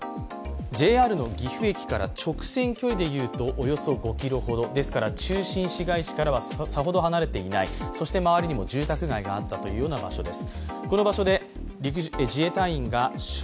ＪＲ岐阜駅からは直線距離で５ｋｍほど中心市街地からはさほど離れていない、そして周りにも住宅街がある場所です。